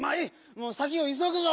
もう先をいそぐぞ！